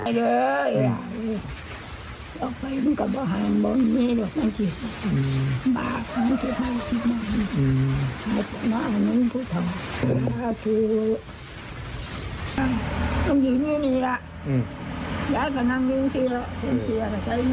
อือแล้วก็นั่งกินทีหรอกใช้น้ำนั้นว่านี้หรอก